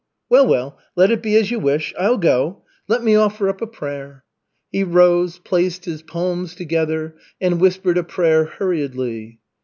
Well, well, let it be as you wish. I'll go. Let me offer up a prayer." He rose, placed his palms together, and whispered a prayer hurriedly.